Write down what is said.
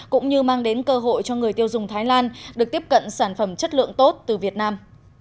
cũng như mang đến cơ hội cho người tiêu dùng thái lan được tiếp cận sản phẩm chất lượng tốt từ việt nam